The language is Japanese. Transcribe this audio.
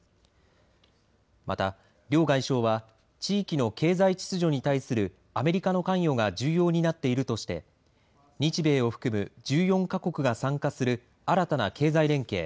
また、両外相は地域の経済秩序に対するアメリカの関与が重要になっているとして日米を含む１４か国が参加する新たな経済連携